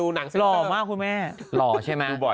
หล่อมากคุณแม่